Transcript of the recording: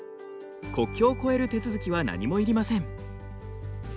国境を越える手続きは何もいりません。